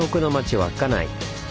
稚内。